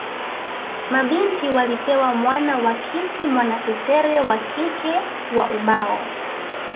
Mabinti walipewa mwana wa kiti mwanasesere wa kike wa ubao